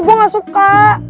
gue gak suka